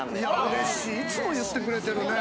嬉しい、いつも言ってくれてるね。